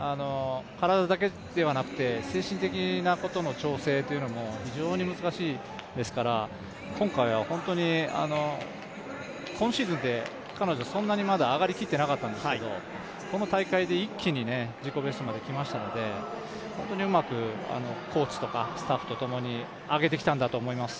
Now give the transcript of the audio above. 体だけではなくて精神的なことの調整も非常に難しいですから、今回は、今シーズンで彼女まだそんなに上がりきっていなかったんですけどこの大会で一気に自己ベストまできましたので本当にうまくコーチとかスタッフとともに上げてきたんだと思います。